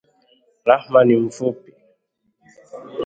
Rahma ni mfupi